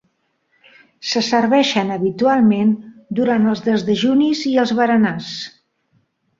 Se serveixen habitualment durant els desdejunis i els berenars.